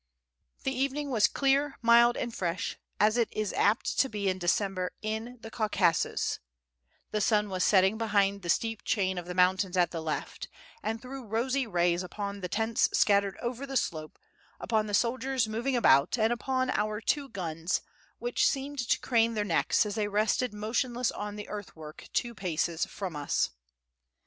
The evening was clear, mild, and fresh, as it is apt to be in December in the Caucasus; the sun was setting behind the steep chain of the mountains at the left, and threw rosy rays upon the tents scattered over the slope, upon the soldiers moving about, and upon our two guns, which seemed to crane their necks as they rested motionless on the earthwork two paces from us.